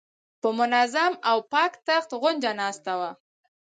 په منظم او پاک تخت غونجه ناسته وه.